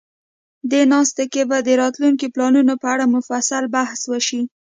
دې ناسته کې به د راتلونکو پلانونو په اړه مفصل بحث وشي.